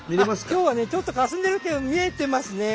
今日はねちょっとかすんでるけど見えてますね。